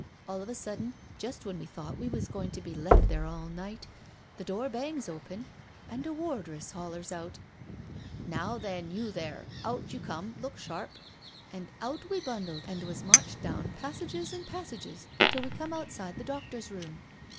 All of a sudden, just when we thought we was goin' to be left there all night, the door bangs open and a wardress hollers out, ' Now then, you there, out you come, look sharp I ' and out we bundled and was marched down passages and passages till we come outside the doctor's room.